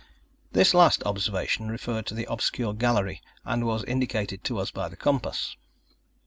This last observation referred to the obscure gallery, and was indicated to us by the compass.